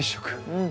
うん。